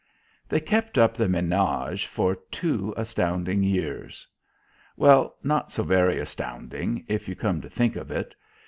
They kept up the ménage for two astounding years. Well, not so very astounding, if you come to think of it.